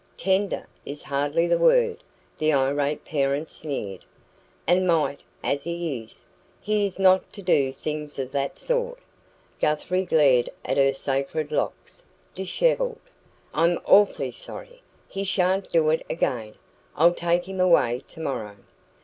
"'Tender' is hardly the word," the irate parent sneered. "And mite as he is, he is not to do things of that sort." Guthrie glared at her sacred locks, dishevelled. "I'm awfully sorry. He shan't do it again. I'll take him away tomorrow."